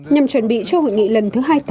nhằm chuẩn bị cho hội nghị lần thứ hai mươi tám